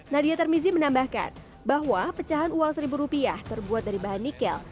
nadia tarmizi menambahkan bahwa pecahan uang seribu rupiah terbuat dari bahan nikel